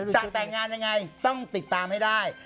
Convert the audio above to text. จะแต่งงานยังไงต้องติดตามให้ได้